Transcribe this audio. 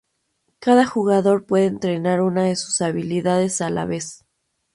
Cada jugador puede entrenar una de sus habilidades a la vez.